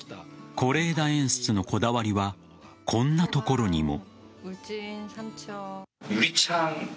是枝演出のこだわりはこんなところにも。